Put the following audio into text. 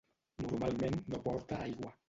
Normalment no porta aigua.